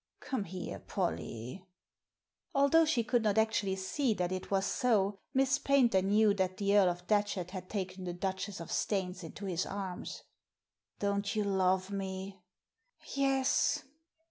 Come here, Polly." Although she could not actually see that it was so, Miss Paynter knew that the Earl of Datchet had taken the Duchess of Staines into his arms. Don't you love me ?" Yes."